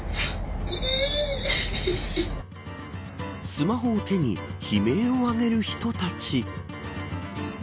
スマホを手に悲鳴を上げる人たち。